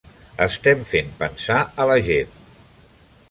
Estem fent pensar a la gent.